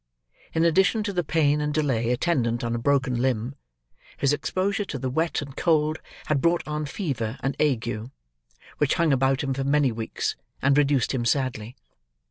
In addition to the pain and delay attendant on a broken limb, his exposure to the wet and cold had brought on fever and ague: which hung about him for many weeks, and reduced him sadly.